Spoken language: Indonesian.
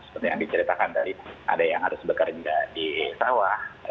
seperti yang diceritakan tadi ada yang harus bekerja di sawah